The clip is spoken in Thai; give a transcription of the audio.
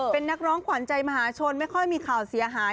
เป็นนักร้องขวัญใจมหาชนไม่ค่อยมีข่าวเสียหาย